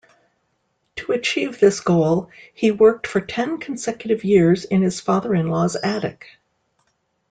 To achieve this goal, he worked for ten consecutive years in his father-in-law's attic.